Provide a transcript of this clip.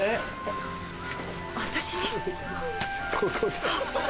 私に？